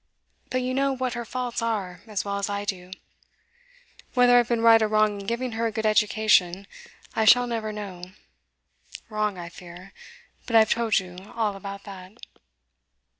But you know what her faults are as well as I do. Whether I've been right or wrong in giving her a good education, I shall never know. Wrong, I fear but I've told you all about that.